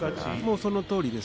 そのとおりです。